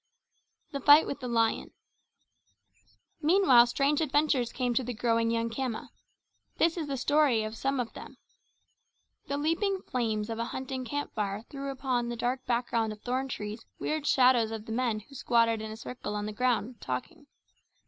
The Fight with the Lion Meanwhile strange adventures came to the growing young Khama. This is the story of some of them: The leaping flames of a hunting camp fire threw upon the dark background of thorn trees weird shadows of the men who squatted in a circle on the ground, talking.